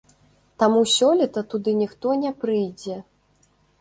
Таму сёлета туды ніхто не прыйдзе.